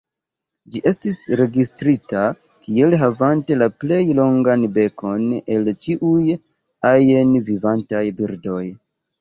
Ĝi estis registrita kiel havante la plej longan bekon el ĉiuj ajn vivantaj birdoj.